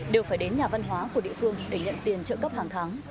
đều phải đến nhà văn hóa của địa phương để nhận tiền trợ cấp hàng tháng